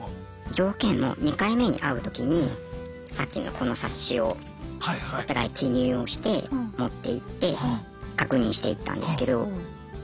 条件も２回目に会う時にさっきのこの冊子をお互い記入をして持っていって確認していったんですけどま